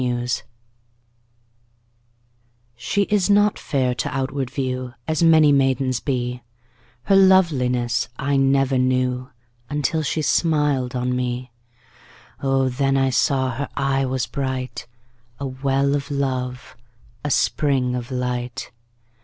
Song SHE is not fair to outward view As many maidens be, Her loveliness I never knew Until she smiled on me; O, then I saw her eye was bright, 5 A well of love, a spring of light!